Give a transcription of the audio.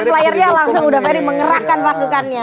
udaferi langsung udaferi mengerahkan pasukannya